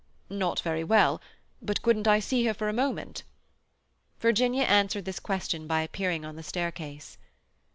"Not very well? But couldn't I see her for a moment?" Virginia answered this question by appearing on the staircase.